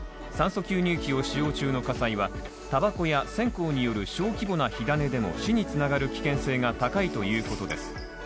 酸素吸入器を使用中の火災は、たばこや線香による小規模な火種でも死につながる危険性が高いということです。